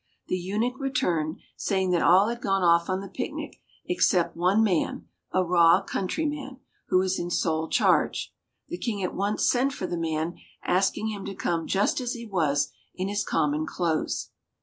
The eunuch returned, saying that all had gone off on the picnic, except one man, a raw countryman, who was in sole charge. The King at once sent for the man, asking him to come just as he was in his common clothes.